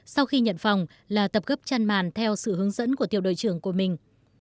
sau khi nhận phòng là tập gấp chăn màn theo sự hướng dẫn của tiểu đội trưởng của mình